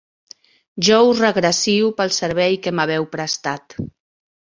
Jo us regracio pel servei que m'haveu prestat.